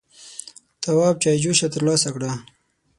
تواب چايجوشه تر لاسه کړه.